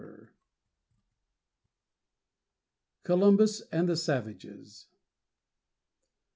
XI. COLUMBUS AND THE SAVAGES.